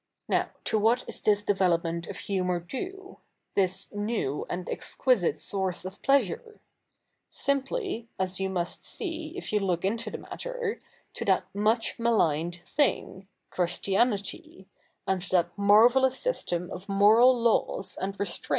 ' Now, to what is this development of humour due — this new and exquisite source of pleasu?'e ? Simply, as you must see, if you look ifito the matter, to that much maligned thing, Christianity, and that itiarvellous syste7n of mo7 al laws a?id restrai?